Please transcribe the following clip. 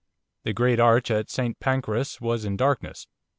The great arch of St Pancras was in darkness.